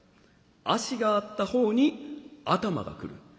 足があった方に頭が来る。